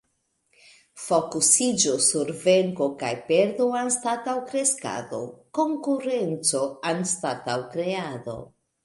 Fokusiĝo sur venko kaj perdo, anstataŭ kreskado; konkurenco anstataŭ kreado.